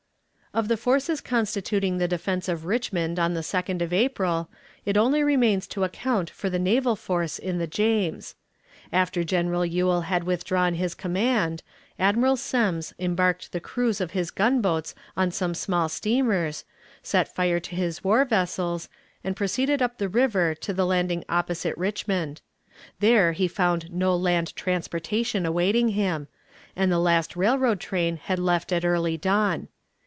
Of the forces constituting the defense of Richmond on the 2d of April, it only remains to account for the naval force in the James. After General Ewell had withdrawn his command, Admiral Semmes embarked the crews of his gunboats on some small steamers, set fire to his war vessels, and proceeded up the river to the landing opposite Richmond. Here he found no land transportation awaiting him, and the last railroad train had left at early dawn.